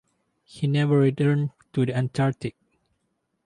He never returned to the Antarctic.